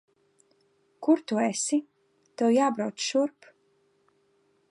Kur tu esi? Tev jābrauc šurp.